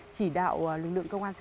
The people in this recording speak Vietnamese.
chỉ đạo lực lượng công an cơ sở